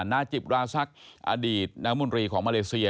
นาจิปราซักอดีตนามนตรีของมาเลเซีย